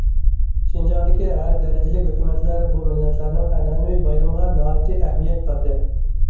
شىنجاڭدىكى ھەر دەرىجىلىك ھۆكۈمەتلەر بۇ مىللەتلەرنىڭ ئەنئەنىۋى بايرىمىغا ناھايىتى ئەھمىيەت بەردى.